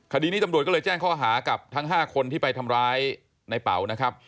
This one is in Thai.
คดีนี้ตำรวจก็เลยแจ้งข้อหากับทั้ง๕คนที่ไปทำร้ายในเป๋านะครับ